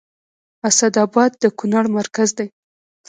اسداباد د کونړ مرکز دی